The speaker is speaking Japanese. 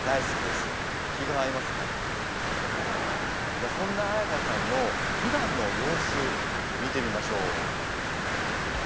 じゃあそんな彩歌さんのふだんの様子見てみましょう。